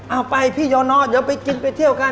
เอาไปพี่โยนอเดี๋ยวไปกินไปเที่ยวกัน